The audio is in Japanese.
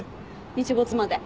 日没まで。